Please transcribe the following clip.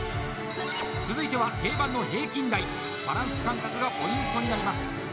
続いては定番の平均台バランス感覚がポイントになります